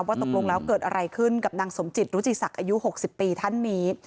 ตกลงแล้วเกิดอะไรขึ้นกับนางสมจิตรุจิศักดิ์อายุ๖๐ปีท่านนี้